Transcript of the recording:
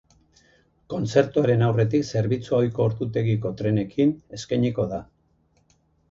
Kontzertuaren aurretik zerbitzua ohiko ordutegiko trenekin eskainiko da.